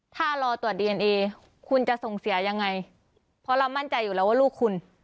ถ้ารอตรวจดีเอนเอคุณจะส่งเสียยังไงเพราะเรามั่นใจอยู่แล้วว่าลูกคุณ